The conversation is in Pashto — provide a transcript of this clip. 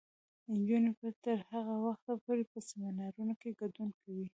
نجونې به تر هغه وخته پورې په سیمینارونو کې ګډون کوي.